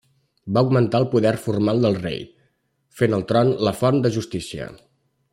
Va augmentar el poder formal del rei, fent el tron la font de justícia.